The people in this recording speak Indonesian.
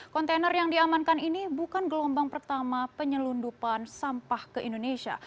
kontainer yang diamankan ini bukan gelombang pertama penyelundupan sampah ke indonesia